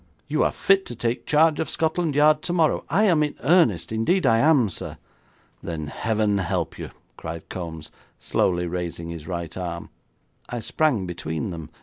You are fit to take charge of Scotland Yard tomorrow . I am in earnest, indeed I am, sir.' 'Then heaven help you,' cried Kombs, slowly raising his right arm. I sprang between them.